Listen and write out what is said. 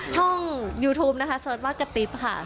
ช่องยูทูปเสิร์ฟว่ากติ๊บค่ะ